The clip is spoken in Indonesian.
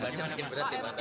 bebannya makin berat ya pak